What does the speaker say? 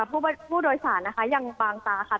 ผู้โดยสารนะคะยังบางตาค่ะ